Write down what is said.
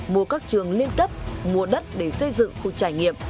mua các trường liên cấp mua đất để xây dựng khu trải nghiệm